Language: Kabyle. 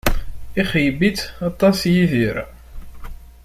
Ixeyyeb-itt aṭas Yidir